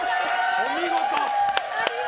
お見事！